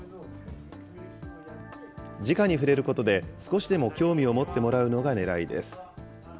じかに触れることで、少しでも興味を持ってもらうのがねらいです。